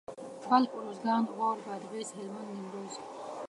بلخ اروزګان غور بادغيس هلمند نيمروز